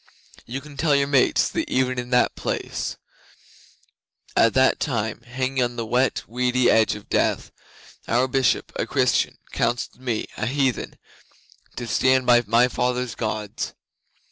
You can tell your mates that even in that place, at that time, hanging on the wet, weedy edge of death, our Bishop, a Christian, counselled me, a heathen, to stand by my fathers' Gods.